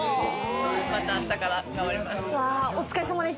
また明日から頑張ります。